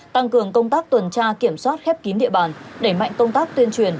tăng cường công tác tuần tra kiểm soát khép kín địa bàn đẩy mạnh công tác tuyên truyền